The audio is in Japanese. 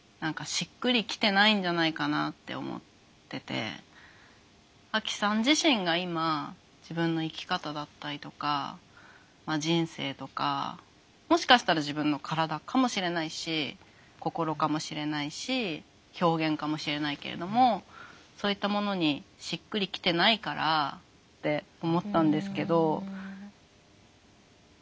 何かアキさん自身が今自分の生き方だったりとか人生とかもしかしたら自分の体かもしれないし心かもしれないし表現かもしれないけれどもそういったものにしっくりきてないからって思ったんですけど。